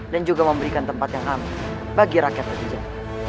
dan juga memberikan tempat yang amat bagi rakyat terkejar